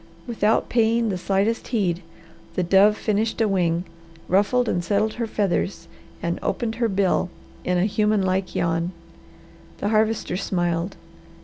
Without paying the slightest heed, the dove finished a wing, ruffled and settled her feathers, and opened her bill in a human like yawn. The Harvester smiled.